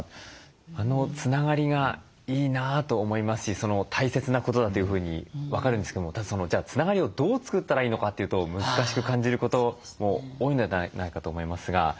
あのつながりがいいなと思いますし大切なことだというふうに分かるんですけどもじゃあつながりをどう作ったらいいのかというと難しく感じることも多いのではないかと思いますが。